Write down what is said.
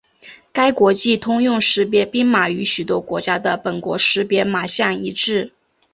该国际通用识别编码与许多国家的本国识别码相一致。